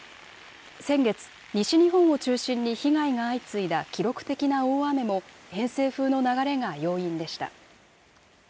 先月、西日本を中心に被害が相次いだ記録的な大雨も、偏西風の流れが要因でした。